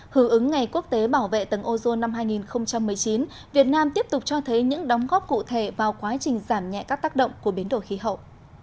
hữu ứng ngày quốc tế bảo vệ tầng ozone năm hai nghìn một mươi chín việt nam tiếp tục cho thấy những đóng góp cụ thể vào quá trình giảm nhẹ các tác động của biến đổi khí hậu